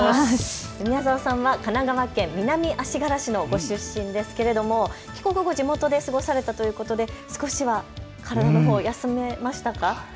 宮澤さんは神奈川県南足柄市のご出身ですけれども帰国後、地元で過ごされたということで少しは体のほう、休めましたか。